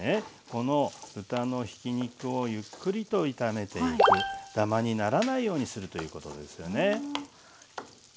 この豚のひき肉をゆっくりと炒めていくダマにならないようにするということですよね。